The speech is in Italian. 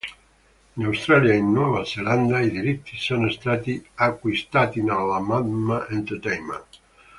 In Australia e in Nuova Zelanda i diritti sono stati acquistati dalla Madman Entertainment.